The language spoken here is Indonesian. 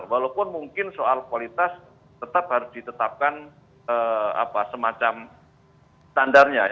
walaupun mungkin soal kualitas tetap harus ditetapkan semacam standarnya